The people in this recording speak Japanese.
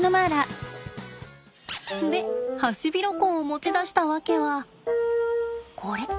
でハシビロコウを持ち出した訳はこれ。